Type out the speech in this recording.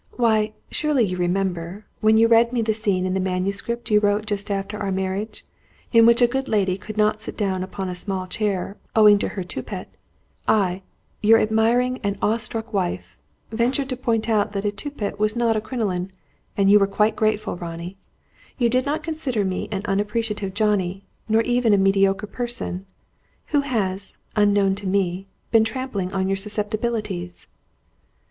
Why, surely you remember, when you read me the scene in the manuscript you wrote just after our marriage, in which a good lady could not sit down upon a small chair, owing to her toupet, I your admiring and awestruck wife ventured to point out that a toupet was not a crinoline; and you were quite grateful, Ronnie. You did not consider me an unappreciative Johnny, nor even a mediocre person! Who has, unknown to me, been trampling on your susceptibilities?"